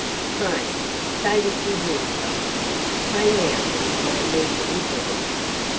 Pray say that you will pray pray now that we may meet in heaven.'